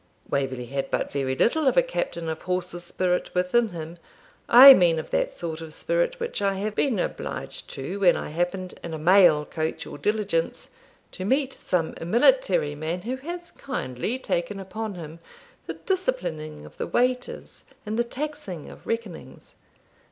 Waverley had but very little of a captain of horse's spirit within him I mean of that sort of spirit which I have been obliged to when I happened, in a mail coach or diligence, to meet some military man who has kindly taken upon him the disciplining of the waiters and the taxing of reckonings.